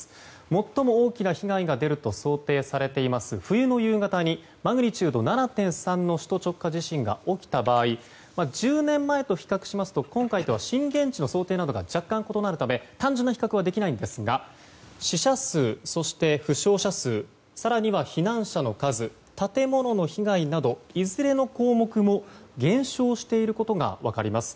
最も大きな被害が出ると想定されている冬の夕方にマグニチュード７．３の首都直下地震が起きた場合１０年前と比較しますと今回とは震源地の想定などが異なるため単純な比較はできないんですが死者数そして負傷者数更には避難者の数建物の被害などいずれの項目も減少していることが分かります。